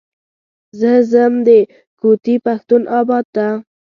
زه ځم د کوتي پښتون اباد ته.